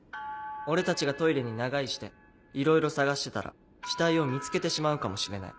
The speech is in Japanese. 俺たちがトイレに長居していろいろ捜してたら死体を見つけてしまうかもしれない。